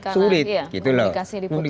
sulit karena komunikasi diputus